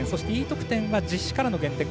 Ｅ得点は実施からの減点。